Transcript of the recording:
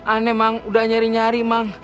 aneh emang udah nyari nyari mang